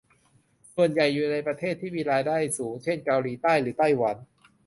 ส่วนใหญ่อยู่ในประเทศที่มีรายได้สูงเช่น เกาหลีใต้ หรือ ไต้หวัน